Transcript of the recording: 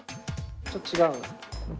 ちょっと違う。